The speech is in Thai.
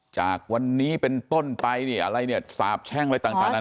จากวันนี้เป็นต้นไปเนี่ยอะไรเนี่ยสาบแช่งอะไรต่างนั้น